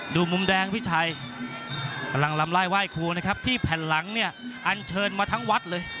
ดูมุมแดงพี่ชัยลำไล่ว่ายครัวนะครับที่แผ่นหลังเนี่ยอันเชิญมาทั้งวัดเลย